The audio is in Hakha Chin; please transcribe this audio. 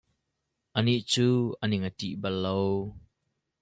A nih cu a ning a ṭih bal lo.